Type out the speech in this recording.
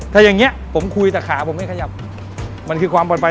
ถ้าอย่างนี้ผมคุยแต่ขาผมไม่ขยับมันคือความปลอดภัย